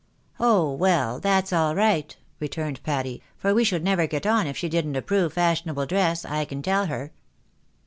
" Oh ! well, that's all right," returned Patty, " for we should never get on if she didn't approve fashionable dress, I can tell her."